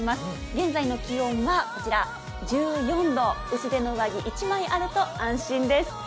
現在の気温がこちら１４度、薄手の上着１枚あると安心です。